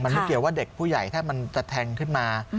มันไม่เกี่ยวว่าเด็กผู้ใหญ่ถ้ามันจะแทงขึ้นมา